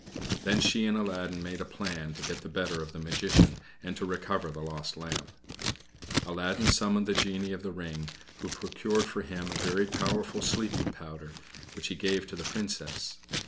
Then she and Aladdin made a plan to get the better of the Magician and to recover the lost lamp. Aladdin summoned the genie of the ring, who procured for him a very powerful sleeping powder, which he gave to the Princess.